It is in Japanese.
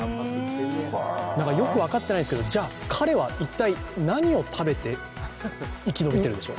なんかよく分かってないですけど、じゃあ彼は一体何を食べて生き延びているでしょう。